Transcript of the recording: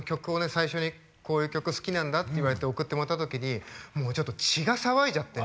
最初にこういう曲好きなんだって言われて送ってもらったときにもうちょっと血が騒いじゃって。